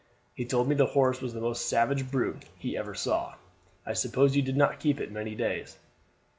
He told me the horse was the most savage brute he ever saw. I suppose you did not keep it many days?"